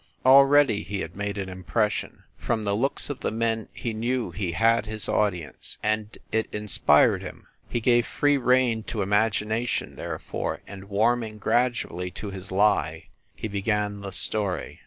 Already he had made an impression. From the looks of the men he knew he had his audience, and it inspired him. He gave free rein to imagination, therefore, and warming gradually to his lie, he began the story.